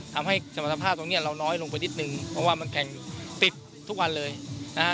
ทำให้สมรรถภาพตรงเนี้ยเราน้อยลงไปนิดนึงเพราะว่ามันแข่งปิดทุกวันเลยนะฮะ